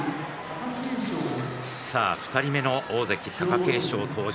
さあ２人目の大関貴景勝登場。